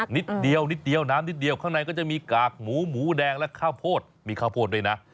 นิดเดียวนิดเดียวน้ำนิดเดียวข้างในก็จะมีกากหมูหมูแดงและข้าวโพดมีข้าวโพดด้วยนะ